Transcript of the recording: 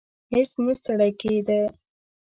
هیڅ نه ستړی کېدی.